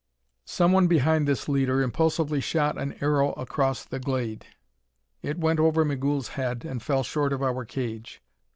Someone behind this leader impulsively shot an arrow across the glade. It went over Migul's head and fell short of our cage.